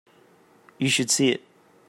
You should see it.